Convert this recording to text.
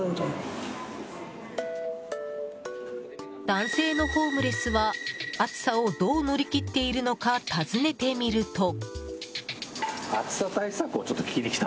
男性のホームレスは暑さをどう乗り切っているのか尋ねてみると。